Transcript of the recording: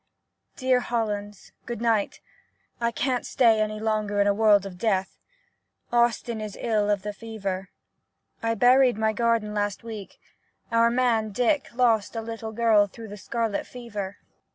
Dear Hollands, — Good night ! I can't stay any longer in a world of death. Austin is ill of fever. I buried my garden last week — our man, Dick, lost a little girl through the scarlet fever.